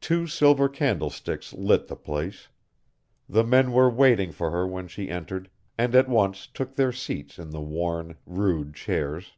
Two silver candlesticks lit the place. The men were waiting for her when she entered, and at once took their seats in the worn, rude chairs.